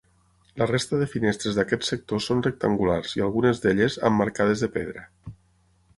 La resta de finestres d'aquest sector són rectangulars i algunes d'elles, emmarcades de pedra.